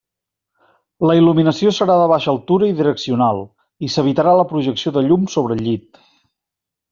La il·luminació serà de baixa altura i direccional, i s'evitarà la projecció de llum sobre el llit.